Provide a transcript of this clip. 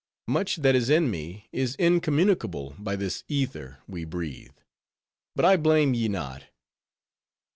Much that is in me is incommunicable by this ether we breathe. But I blame ye not."